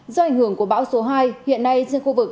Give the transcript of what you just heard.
do ảnh hưởng của báo số hai hiện nay trên khu vực cát hải phòng